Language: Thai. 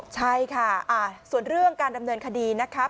ใช่ค่ะส่วนเรื่องการดำเนินคดีนะครับ